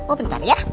oh bentar ya